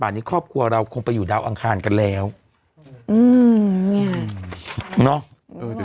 อันนี้ครอบครัวเราคงไปอยู่ดาวอังคารกันแล้วอืมเนี่ยเนอะ